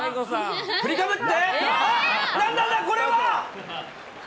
振りかぶって、なんなんだ、これは。